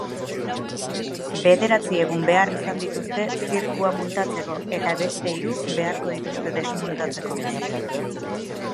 Bederatzi egun behar izan dituzte zirkua muntatzeko eta beste hiru beharko dituzte desmuntatzeko.